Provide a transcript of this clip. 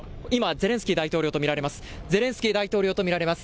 ゼレンスキー大統領と見られます。